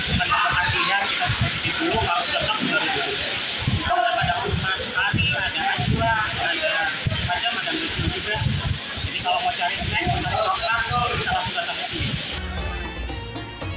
jadi kalau mau cari snack mau mencicipi bisa langsung datang ke sini